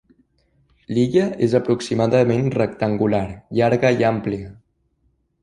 L'illa és aproximadament rectangular, llarga i ampla.